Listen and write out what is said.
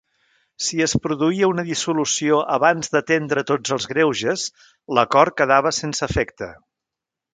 Si es produïa una dissolució abans d'atendre tots els greuges, l'acord quedava sense efecte.